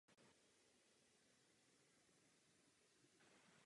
Ne, jsou upřímní.